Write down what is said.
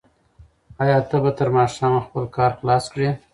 آیا ته به تر ماښامه خپل کار خلاص کړې؟